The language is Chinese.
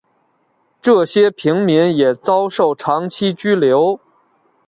这些平民也遭受长期拘留。